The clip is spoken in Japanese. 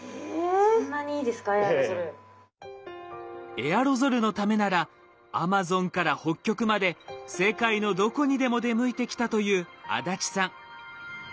エアロゾルのためならアマゾンから北極まで世界のどこにでも出向いてきたという足立さん。